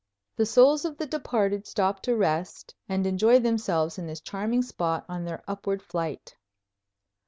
The souls of the departed stop to rest and enjoy themselves in this charming spot on their upward flight.